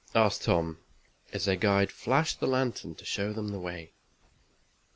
asked Tom, as their guide flashed the lantern to show them the way.